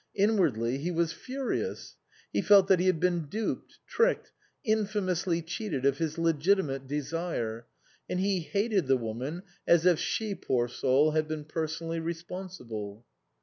Inwardly he was furious. He felt that he had been duped, tricked, in famously cheated of his legitimate desire ; and he hated the woman as if she, poor soul, had been personally responsible.